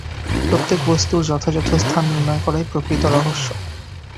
প্রত্যেক বস্তুর যথাযথ স্থান নির্ণয় করাই প্রকৃত রহস্য।